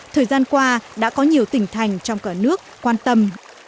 thời gian qua đã có nhiều tỉnh thành trong cả nước quan tâm